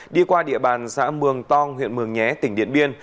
đi qua địa bàn xã mường tong huyện mường nhé tỉnh điện biên